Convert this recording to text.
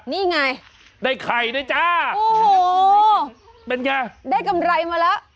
นี่ไงได้ไข่ด้วยจ้าโอ้โหเป็นไงได้กำไรมาแล้ว